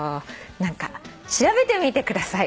調べてみてください！